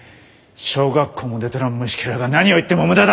小学校も出とらん虫けらが何を言っても無駄だ！